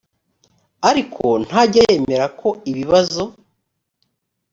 ariko ntajya yemera ko ibibazo